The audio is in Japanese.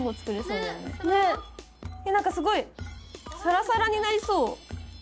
なんかすごいサラサラになりそう。